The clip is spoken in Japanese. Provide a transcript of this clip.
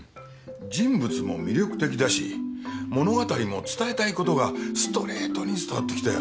人物も魅力的だし物語も伝えたいことがストレートに伝わってきたよ。